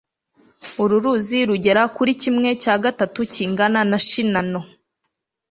uru ruzi rugera kuri kimwe cya gatatu kingana na shinano